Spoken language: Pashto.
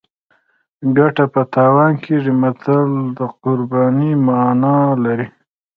ګټه په تاوان کیږي متل د قربانۍ مانا لري